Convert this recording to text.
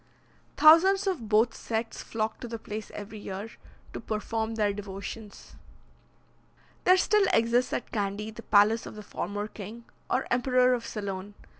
Thousands of both sects flock to the place every year, to perform their devotions. There still exists at Candy the palace of the former king, or emperor of Ceylon.